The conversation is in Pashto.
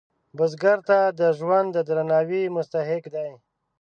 بزګر ته د ژوند د درناوي مستحق دی